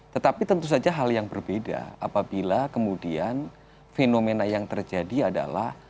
tetapi tentu saja hal yang berbeda apabila kemudian fenomena yang terjadi adalah